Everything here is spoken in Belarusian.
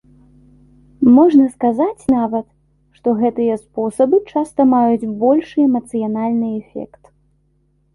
Можна сказаць нават, што гэтыя спосабы часта маюць большы эмацыянальны эфект.